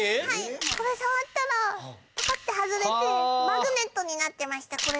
はいこれ触ったらパカって外れてマグネットになってました